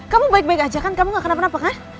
kamu baik baik aja kan kamu gak kenapa kenapa kan